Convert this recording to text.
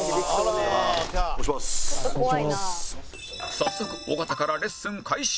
早速尾形からレッスン開始